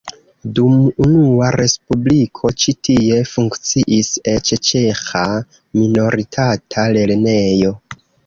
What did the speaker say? Dum unua respubliko ĉi tie funkciis eĉ ĉeĥa minoritata lernejo.